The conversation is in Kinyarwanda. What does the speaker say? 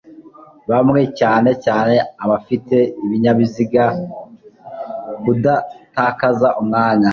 bamwe cyane cyane abafite ibinyabiziga kudatakaza umwanya